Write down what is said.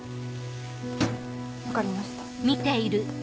分かりました。